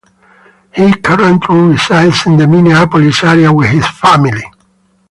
He currently resides in the Minneapolis area with his family.